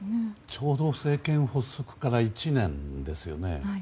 ちょうど政権発足から１年ですよね。